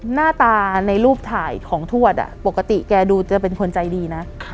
หน้าตาในรูปถ่ายของทวดปกติแกดูจะเป็นคนใจดีนะ